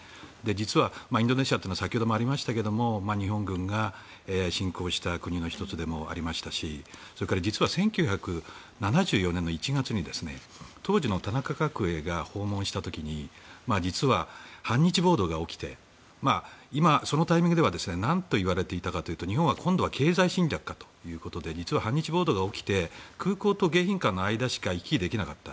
実はインドネシアというのは先ほどもありましたが日本軍が侵攻した国の１つでもありましたしそれから実は１９７４年１月に当時の田中角栄が訪問した時に実は反日暴動が起きてそのタイミングではなんと言われていたかというと日本は今度は経済侵略かということで実は反日暴動が起きて空港と迎賓館の間しか行き来できなかった。